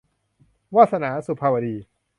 วาสนา - สุภาวดี